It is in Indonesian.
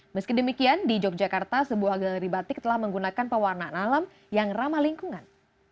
meski demikian di yogyakarta sebuah galeri batik telah menggunakan pewarnaan alam yang ramah lingkungan